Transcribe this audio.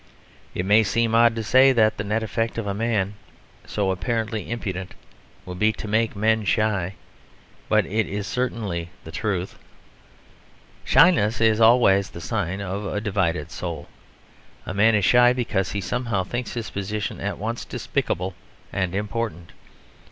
It may seem odd to say that the net effect of a man so apparently impudent will be to make men shy. But it is certainly the truth. Shyness is always the sign of a divided soul; a man is shy because he somehow thinks his position at once despicable and important.